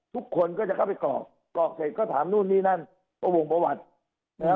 ทุกคนก็จะเข้าไปกรอกเถ็บก็ถามนู่นนี่นั่นประวัติ